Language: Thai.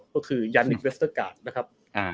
ก็คือยานิกเวสเตอร์กาดนะครับ